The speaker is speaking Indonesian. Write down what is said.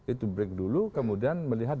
itu break dulu kemudian melihat